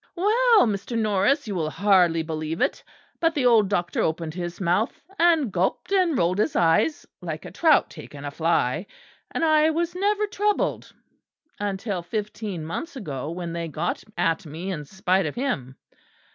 "Well, Mr. Norris, you will hardly believe it, but the old doctor opened his mouth and gulped and rolled his eyes, like a trout taking a fly; and I was never troubled until fifteen months ago, when they got at me in spite of him.